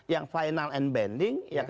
yang final and bending